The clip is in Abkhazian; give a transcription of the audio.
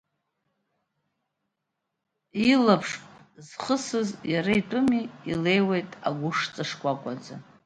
Илаԥш зхысыз иара итәыми, илеиуеит агәышҵа шкәакәаӡа.